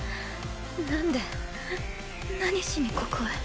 なんで何しにここへ？